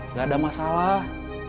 gak ada masalah